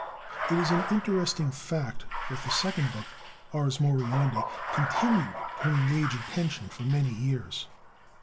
It is an interesting fact that the second book, "Ars Moriendi," continued to engage attention for many years.